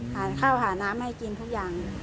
หาข้าวหาน้ำให้กินทุกอย่าง